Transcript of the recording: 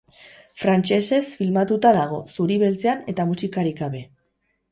Frantsesez filmatuta dago, zuri-beltzean, eta musikarik gabe.